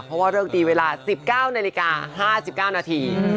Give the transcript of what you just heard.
เพราะว่าเลิกตีเวลา๑๙นาฬิกา๕๙นาที